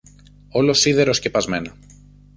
όλο σίδερο σκεπασμένα